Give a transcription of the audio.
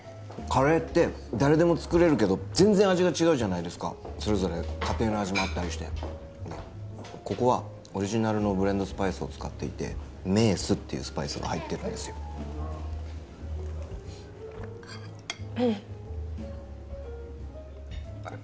カレーって誰でも作れるけど全然味が違うじゃないですかそれぞれ家庭の味もあったりしてここはオリジナルのブレンドスパイスを使っていてメースっていうスパイスが入ってるんですよううんあれ？